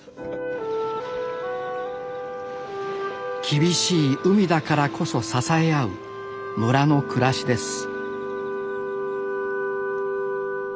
厳しい海だからこそ支え合う村の暮らしです